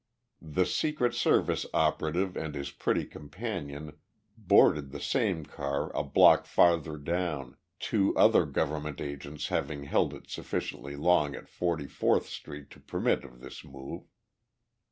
The Secret Service operative and his pretty companion boarded the same car a block farther down, two other government agents having held it sufficiently long at Forty fourth Street to permit of this move.